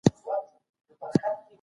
ګډون محدود دی – هدف لوی دی